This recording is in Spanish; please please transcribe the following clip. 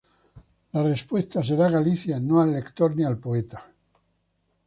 La respuesta se da a Galicia, no al lector ni al poeta.